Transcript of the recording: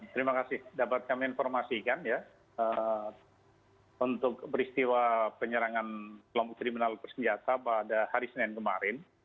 terima kasih dapat kami informasikan ya untuk peristiwa penyerangan kelompok kriminal bersenjata pada hari senin kemarin